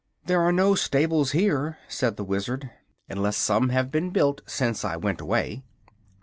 "There are no stables here," said the Wizard, "unless some have been built since I went away."